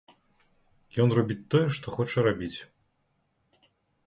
Ён робіць тое, што хоча рабіць.